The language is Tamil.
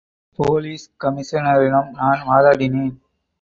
போலீஸ் கமிஷனரிடம் நான் வாதாடினேன்.